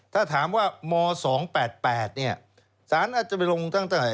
ถ้าถามว่าม๒๘๘เนี่ยสารอาจจะไปลงตั้งแต่